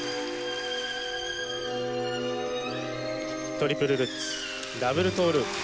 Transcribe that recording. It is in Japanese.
トリプルルッツダブルトーループ。